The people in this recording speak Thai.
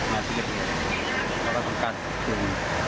มาที่เกิดเห็นแล้วก็ต้องการตื่น